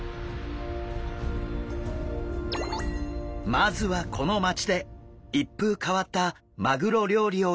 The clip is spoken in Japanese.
まずはこの町で一風変わったマグロ料理を頂きます。